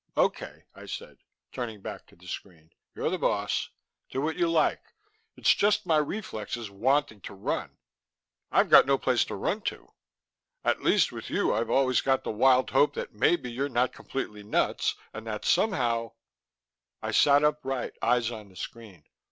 "OK," I said, turning back to the screen. "You're the boss. Do what you like. It's just my reflexes wanting to run. I've got no place to run to. At least with you I've always got the wild hope that maybe you're not completely nuts, and that somehow " I sat upright, eyes on the screen.